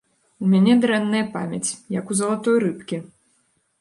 У мяне дрэнная памяць, як у залатой рыбкі.